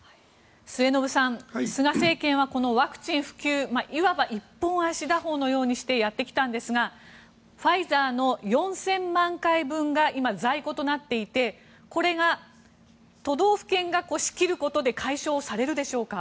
末延さん、菅政権はこのワクチン普及をいわば一本足打法のようにしてやってきたんですがファイザーの４０００万回分が今、在庫となっていてこれが都道府県が仕切ることで解消されるでしょうか？